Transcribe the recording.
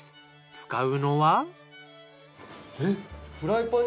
使うのは。